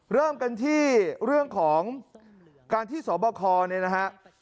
เริ่มกันที่เรื่องของการที่สอบบ้าคอ